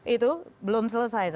itu belum selesai